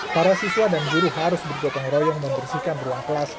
para siswa dan guru harus bergotong royong membersihkan ruang kelas